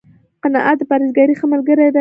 قناعت، د پرهېزکارۍ ښه ملګری دی